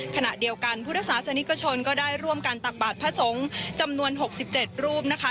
ขณะเดียวกันพุทธศาสนิกชนก็ได้ร่วมกันตักบาทพระสงฆ์จำนวน๖๗รูปนะคะ